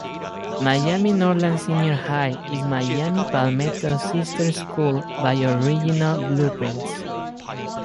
Miami Norland Senior High is Miami Palmetto's sister school by original blueprints.